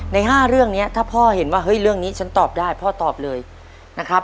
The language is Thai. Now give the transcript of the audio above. ๕เรื่องนี้ถ้าพ่อเห็นว่าเฮ้ยเรื่องนี้ฉันตอบได้พ่อตอบเลยนะครับ